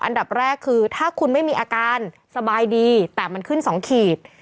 อันดับแรกคือถ้าคุณไม่มีอาการสบายดีแต่มันขึ้น๒ขีด